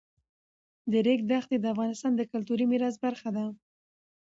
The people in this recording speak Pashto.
د ریګ دښتې د افغانستان د کلتوري میراث برخه ده.